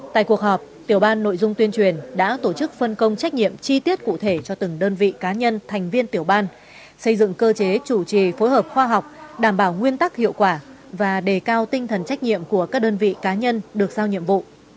tại cuộc họp tiểu ban nội dung tuyên truyền đã tổ chức phân công trách nhiệm chi tiết cụ thể cho từng đơn vị cá nhân thành viên tiểu ban xây dựng cơ chế chủ trì phối hợp khoa học đảm bảo nguyên tắc hiệu quả và đề cao tinh thần trách nhiệm của các đơn vị cá nhân được giao nhiệm vụ